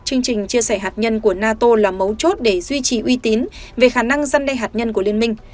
chương trình chia sẻ hạt nhân của nato là mấu chốt để duy trì uy tín về khả năng dân đe hạt nhân của liên minh